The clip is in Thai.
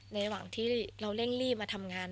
ระหว่างที่เราเร่งรีบมาทำงาน